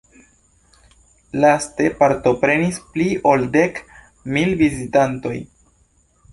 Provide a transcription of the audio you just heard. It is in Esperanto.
Laste partoprenis pli ol dek mil vizitantoj.